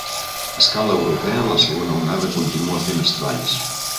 A escala europea, la segona onada continua fent estralls.